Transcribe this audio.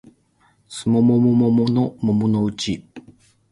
すもももももものもものうち